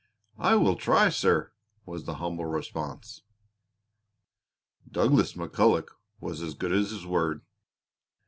"I will try, sir!" was the humble response. Douglas McCulloch was as good as his word.